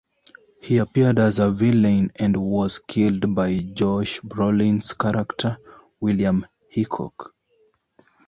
He appeared as a villain and was killed by Josh Brolin's character William Hickok.